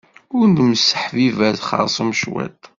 Ad nesseḥbiber xerṣum cwit.